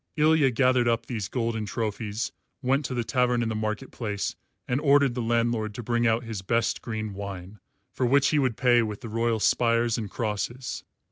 Ilya gathered up these golden trophies, went to the tavern in the market place and ordered the landlord to bring out his best green wine, for which he would pay with the royal spires and crosses.